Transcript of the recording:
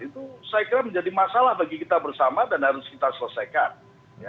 itu saya kira menjadi masalah bagi kita bersama dan harus kita selesaikan